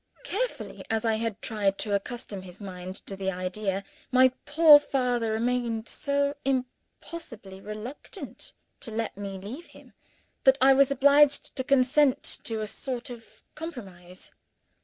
Carefully as I had tried to accustom his mind to the idea, my poor father remained so immovably reluctant to let me leave him, that I was obliged to consent to a sort of compromise.